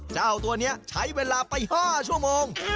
เจ้าตัวนี้ใช้เวลาไป๕ชั่วโมง